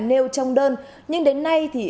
nêu trong đơn nhưng đến nay thì